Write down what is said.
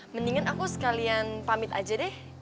mendingan aku sekalian pamit aja deh